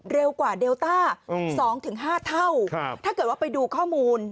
เร็วกว่าเดลต้าอืมสองถึงห้าเท่าครับถ้าเกิดว่าไปดูข้อมูล